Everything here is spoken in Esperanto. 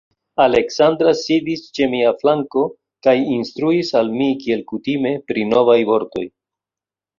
Aleksandra sidis ĉe mia flanko kaj instruis al mi kiel kutime pri novaj vortoj.